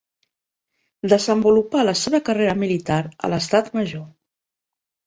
Desenvolupà la seva carrera militar a l'Estat major.